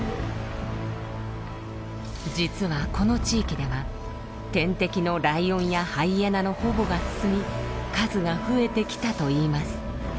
実はこの地域では天敵のライオンやハイエナの保護が進み数が増えてきたといいます。